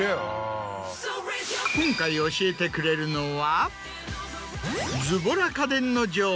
今回教えてくれるのは。